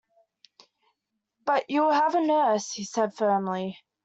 "But you will have a nurse," he said firmly.